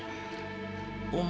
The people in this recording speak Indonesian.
apa sih umi